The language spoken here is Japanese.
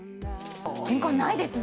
けんかはないですね。